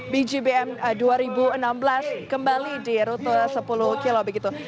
bgbm dua ribu enam belas kembali di rute sepuluh km begitu